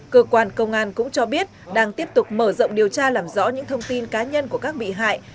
cơ quan công an cũng cho biết đang tiếp tục mở rộng điều tra làm rõ những thông tin cá nhân của các bị hại